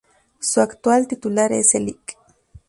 Su actual titular es el Lic.